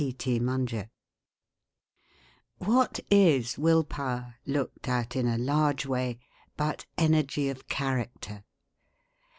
T.T. Munger. What is will power, looked at in a large way, but energy of character?